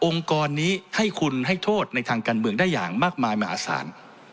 กรนี้ให้คุณให้โทษในทางการเมืองได้อย่างมากมายมหาศาล